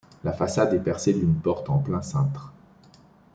La façade est percée d'une porte en plein cintre.